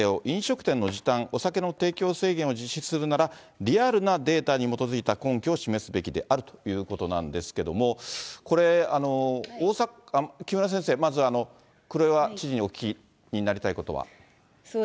飲食店の時短、お酒の提供制限を実施するなら、リアルなデータに基づいた根拠を示すべきであるということなんですけれども、これ、木村先生、まず、黒岩知事にお聞きになりたいことは。